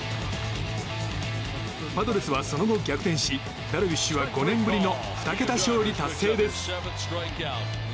パドレスは、その後逆転しダルビッシュは５年ぶりの２桁勝利達成です。